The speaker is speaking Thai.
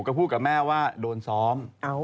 ก็พูดกับแม่ว่าโดนซ้อม